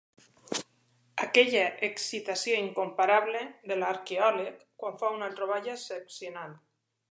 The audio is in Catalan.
Aquella excitació incomparable de l'arqueòleg quan fa una troballa excepcional.